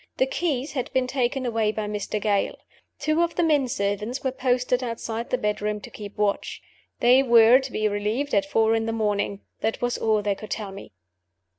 The keys had been taken away by Mr. Gale. Two of the men servants were posted outside the bedroom to keep watch. They were to be relieved at four in the morning that was all they could tell me."